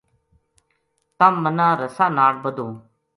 تم منا رسا ناڑ بدھوں